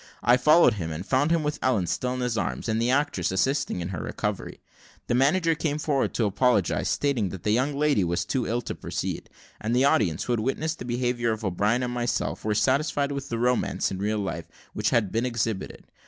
I followed him, and found him with Ellen still in his arms, and the actresses assisting in her recovery. The manager came forward to apologise, stating that the young lady was too ill to proceed, and the audience, who had witnessed the behaviour of O'Brien and myself, were satisfied with the romance in real life which had been exhibited.